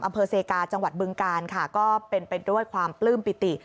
อำเภอเซกาจังหวัดบึงกาลค่ะก็เป็นไปด้วยความปลื้มปิติ